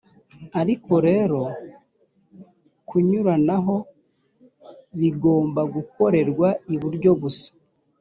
ariko rero kunyuranaho bigomba gukorerwa iburyo gusa.